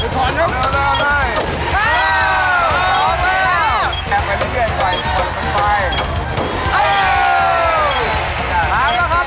พลาดแล้วครับ